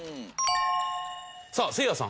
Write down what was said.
さあせいやさん